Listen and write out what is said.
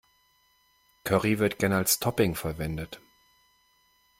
Curry wird gerne als Topping verwendet.